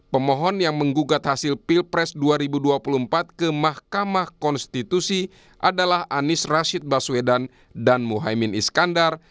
pemohon yang menggugat hasil pilpres dua ribu dua puluh empat ke mahkamah konstitusi adalah anies rashid baswedan dan muhaymin iskandar